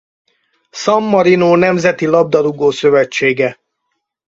San Marino nemzeti labdarúgó-szövetsége.